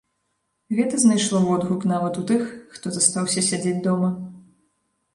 Гэта знайшло водгук нават у тых, хто застаўся сядзець дома.